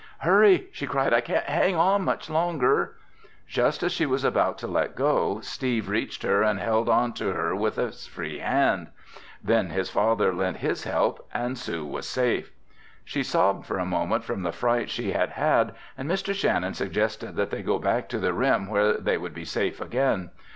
"Hurry!" she cried. "I can't hang on much longer!" Just as she was about to let go, Steve reached her and held on to her with his free hand. Then his father lent his help and Sue was safe. She sobbed for a moment from the fright she had had and Mr. Shannon suggested that they go back to the rim where they would be safe again.